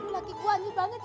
lagi gua nyur banget ya